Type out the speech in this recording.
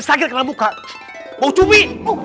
sakit kena muka bau cupi